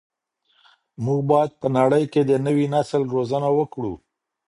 موږ باید په نړۍ کي د نوي نسل روزنه وکړو.